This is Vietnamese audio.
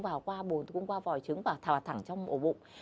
vào qua bồn tử cung qua vòi trứng và thả thẳng trong ổ bụng